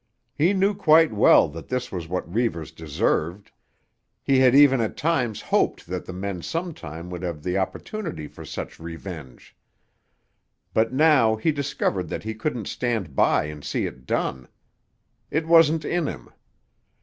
He knew quite well that this was what Reivers deserved; he had even at times hoped that the men some time would have the opportunity for such revenge. But now he discovered that he couldn't stand by and see it done. It wasn't in him.